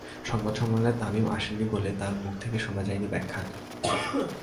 সংবাদ সম্মেলনে তামিম আসেননি বলে তার মুখ থেকে শোনা যায়নি ব্যাখ্যাটা।